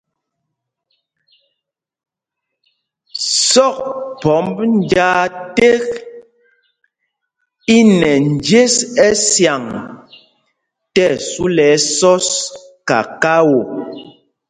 Sɔkphɔmb njāā ték i nɛ njes ɛsyaŋ tí ɛsu lɛ ɛsɔs kakao.